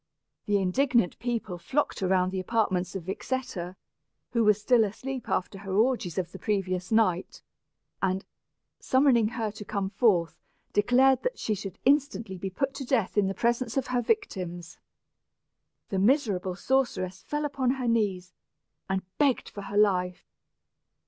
The indignant people flocked around the apartments of Vixetta, who was still asleep after her orgies of the previous night, and, summoning her to come forth, declared that she should instantly be put to death in the presence of her victims. The miserable sorceress fell upon her knees, and begged for her life.